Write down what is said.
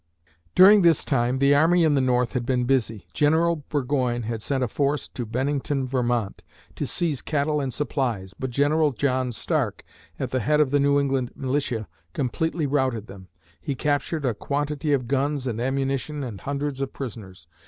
During this time, the army in the North had been busy. General Burgoyne had sent a force to Bennington, Vermont, to seize cattle and supplies, but General John Stark, at the head of the New England militia, completely routed them. He captured a quantity of guns and ammunition and hundreds of prisoners.